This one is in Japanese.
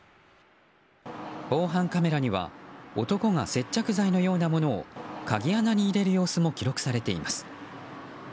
防犯カメラには男が接着剤のようなものを鍵穴に入れる様子も記録されています。